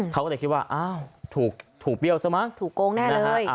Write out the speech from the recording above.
เขาก็เลยคิดว่าอ้าวถูกเบี้ยวซะมั้งถูกโกงแน่นะฮะ